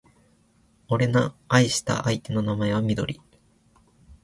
俺の愛した相手の名前はみどり